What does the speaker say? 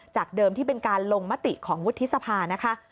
เดิมที่เป็นการลงมติของวุฒิสภานะคะ